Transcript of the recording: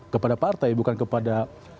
kepada partai bukan kepada